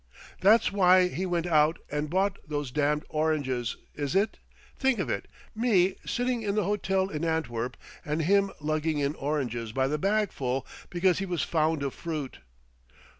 "That's why he went out and bought those damned oranges, is it? Think of it me sitting in the hotel in Antwerp and him lugging in oranges by the bagful because he was fond of fruit!